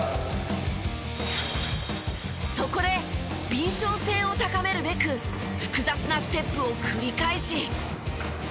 そこで敏しょう性を高めるべく複雑なステップを繰り返し。